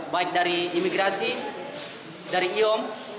baik dari imigrasi dari iom